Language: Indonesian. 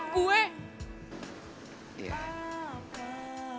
tunggu gue mau